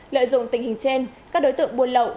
lợi dụng tình hình trên các đối tượng buôn lậu